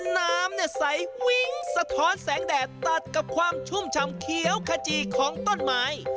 น้ำใสวิ้งสะท้อนแสงแดดตัดกับความชุ่มฉ่ำเขียวขจีของต้นไม้